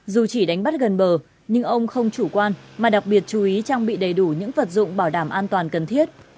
dù chỉ đánh bắt gần bờ nhưng ông không chủ quan mà đặc biệt chú ý trang bị đầy đủ những vật dụng bảo đảm an toàn cần thiết